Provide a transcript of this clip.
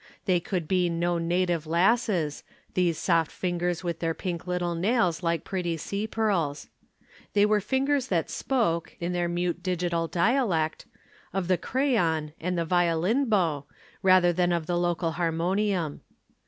They could be no native lass's, these soft fingers with their pink little nails like pretty sea pearls. They were fingers that spoke (in their mute digital dialect) of the crayon and the violin bow, rather than of the local harmonium.